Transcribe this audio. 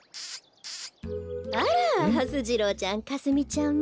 あらはす次郎ちゃんかすみちゃんも。